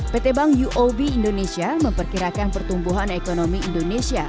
pt bank uob indonesia memperkirakan pertumbuhan ekonomi indonesia